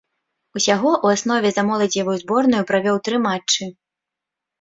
Усяго ў аснове за моладзевую зборную правёў тры матчы.